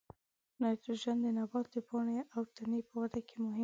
نایتروجن د نبات د پاڼې او تنې په وده کې مهم دی.